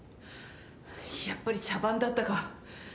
やっぱり茶番だったか。